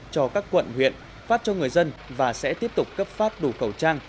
cho các quận huyện phát cho người dân và sẽ tiếp tục cấp phát đủ khẩu trang